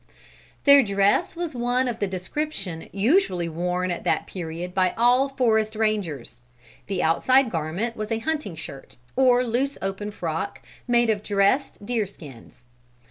"Their dress was of the description usually worn at that period by all forest rangers. The outside garment was a hunting shirt, or loose open frock, made of dressed deer skins.